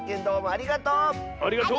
ありがとう！